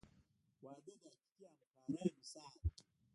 • واده د حقیقي همکارۍ مثال دی.